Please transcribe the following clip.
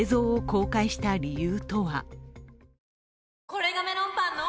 これがメロンパンの！